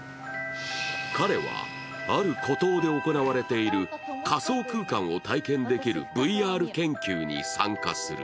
彼は、ある孤島で行われている仮想空間を体験できるＶＲ研究に参加する。